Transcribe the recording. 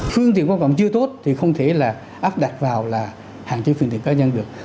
phương tiện qua cộng chưa tốt thì không thể là áp đặt vào là hạn chế phương tiện cá nhân được